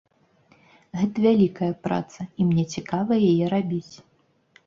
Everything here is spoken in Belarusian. Гэта вялікая праца, і мне цікава яе рабіць.